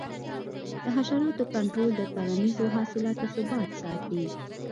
د حشراتو کنټرول د کرنیزو حاصلاتو ثبات ساتي.